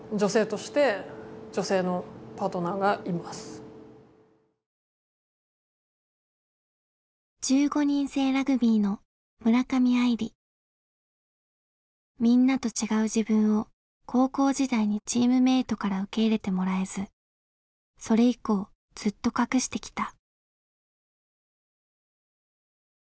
私はみんなと違う自分を高校時代にチームメートから受け入れてもらえずそれ以降ずっと隠してきた。